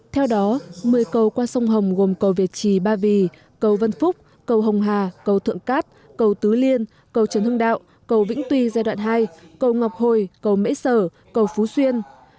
theo đó một mươi cầu qua sông hồng gồm cầu việt trì ba vì cầu vân phúc cầu hồng hà cầu thượng cát cầu tứ liên cầu trần hưng đạo cầu vĩnh tuy giai đoạn hai cầu ngọc hồi cầu mễ sở cầu phú xuyên